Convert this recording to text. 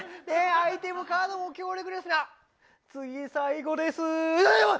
アイテムカードも強力ですが次、最後です。